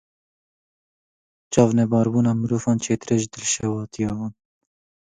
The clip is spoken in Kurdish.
Çavnebarbûna mirovan, çêtir e ji dilşewatiya wan.